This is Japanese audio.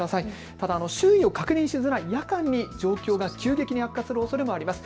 ただ周囲を確認しづらい夜間に状況が急激に悪化するおそれもあります。